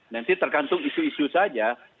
nanti tergantung isu isu saja